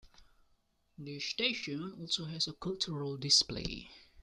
This station also has a cultural display.